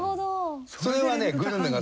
それはね。